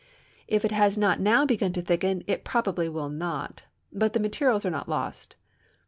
If it has not now begun to thicken, it probably will not; but the materials are not lost.